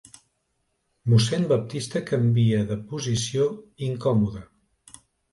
Mossèn Baptista canvia de posició, incòmode.